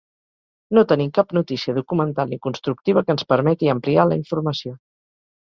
No tenim cap notícia documental ni constructiva que ens permeti ampliar la informació.